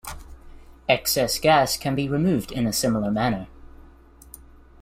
Excess gas can be removed in a similar manner.